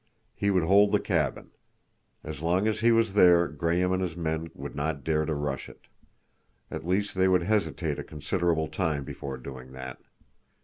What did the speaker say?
He would hold the cabin. As long as he was there Graham and his men would not dare to rush it. At least they would hesitate a considerable time before doing that.